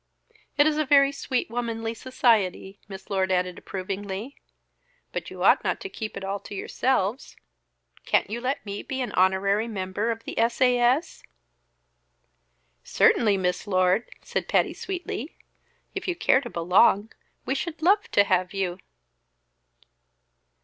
"It is a very sweet, womanly society," Miss Lord added approvingly. "But you ought not to keep it all to yourselves. Can't you let me be an honorary member of the S. A. S.?" "Certainly, Miss Lord!" said Patty sweetly. "If you care to belong, we should love to have you."